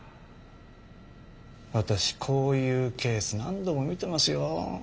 私こういうケース何度も見てますよ。